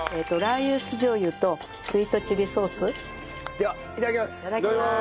ではいただきます！